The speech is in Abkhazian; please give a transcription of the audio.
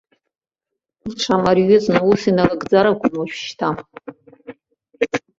Лҽамарҩызны ус иналыгӡар акәын уажәшьҭа.